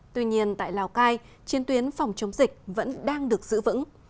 tuy nhiên tại lào cai chiến tuyến phòng chống dịch vẫn đang được giữ vững